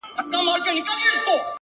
o صفت زما مه كوه مړ به مي كړې؛